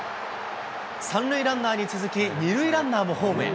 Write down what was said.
３塁ランナーに続き、２塁ランナーもホームへ。